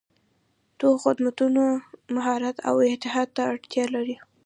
دغه خدمتونه مهارت او احتیاط ته اړتیا لري.